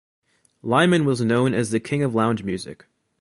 Lyman was known as the King of Lounge music.